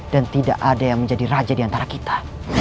dan tidak ada yang menjadi raja diantara kita